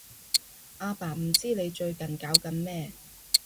阿爸唔知你最近搞緊咩